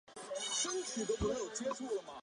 乳房的皮下为脂肪组织。